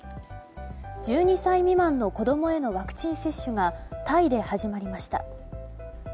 １２歳未満の子供へのワクチン接種がタイで始まりました。